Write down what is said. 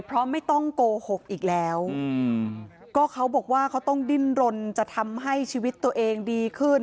เพราะไม่ต้องโกหกอีกแล้วก็เขาบอกว่าเขาต้องดิ้นรนจะทำให้ชีวิตตัวเองดีขึ้น